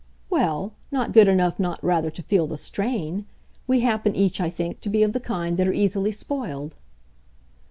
"Well, not good enough not rather to feel the strain. We happen each, I think, to be of the kind that are easily spoiled."